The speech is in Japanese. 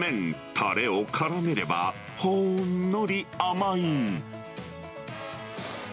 たれをからめれば、ほんのり甘い。